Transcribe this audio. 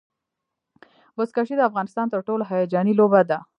بزکشي د افغانستان تر ټولو هیجاني لوبه ده.